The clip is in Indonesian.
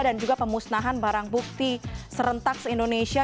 dan juga pemusnahan barang bukti serentak se indonesia